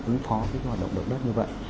ứng phó với hoạt động động đất như vậy